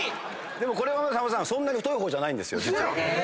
でもこれはそんなに太い方じゃないんですよ実は。